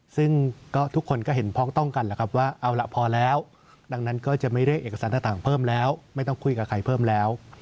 ซึ่งก็ทุกคนก็เห็นพ้องต้องกันแหละครับว่าเอาล่ะพอแล้วดังนั้นก็จะไม่เรียกเอกสารต่างเพิ่มแล้วไม่ต้องคุยกับใครเพิ่มแล้ว